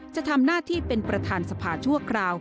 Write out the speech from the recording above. จะทำหน้าที่เป็นประธานสภาชั่วคราว